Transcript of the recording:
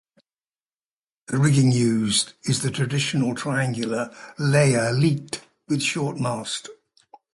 The rigging used is the traditional triangular "layar lete" with short mast.